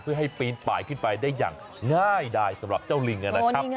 เพื่อให้ปีนป่ายขึ้นไปได้อย่างง่ายดายสำหรับเจ้าลิงนะครับ